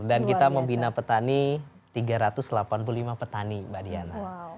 dan kita membina petani tiga ratus delapan puluh lima petani mbak diana